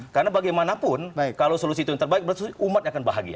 karena bagaimanapun kalau solusi itu yang terbaik berarti umatnya akan bahagia